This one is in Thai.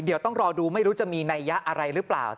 เดี๋ยวต้องรอดูไม่รู้จะมีนัยยะอะไรหรือเปล่า